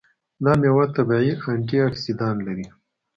دا میوه طبیعي انټياکسیدان لري.